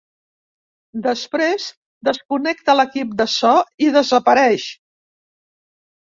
Després desconnecta l'equip de so i desapareix.